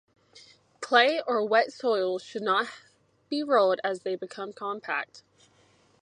Clay or wet soils should not be rolled as they become compacted.